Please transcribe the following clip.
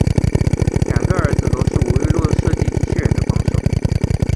两个儿子都是吴玉禄设计机器人的帮手。